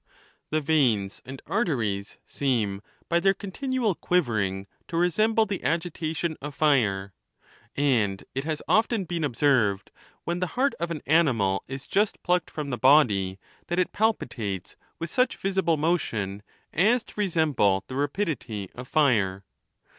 The veins and ar teries seem, by their continual quivering, to resemble the agitation of fire ; and it has often been observed when the heart of an animal is just plucked from the body that it palpitates with such visible motion as to resemble the ra pidity of fire.